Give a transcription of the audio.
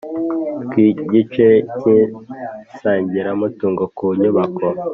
Tw igice cy isangiramutungo ku nyubako